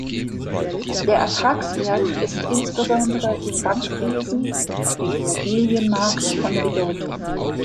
Der Ertragswert ist insbesondere im Bankwesen und auf dem Immobilienmarkt von Bedeutung.